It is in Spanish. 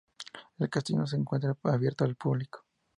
El castillo no se encuentra abierto al público.